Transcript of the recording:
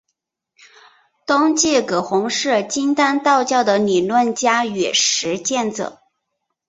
东晋葛洪是金丹道教的理论家与实践者。